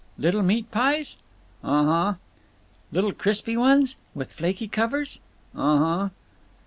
"Little meat pies?" "Um huh." "Little crispy ones? With flaky covers?" "Um huh."